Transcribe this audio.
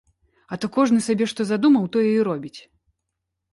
А то кожны сабе што задумаў, тое і робіць.